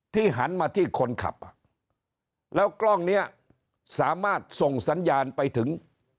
หันมาที่คนขับอ่ะแล้วกล้องเนี้ยสามารถส่งสัญญาณไปถึง